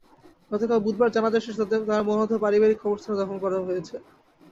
গতকাল বুধবার জানাজা শেষে তাঁর মরদেহ পারিবারিক কবরস্থানে দাফন করা হয়েছে।